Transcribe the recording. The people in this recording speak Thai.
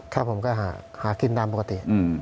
ครับผมก็หากินตามปกติ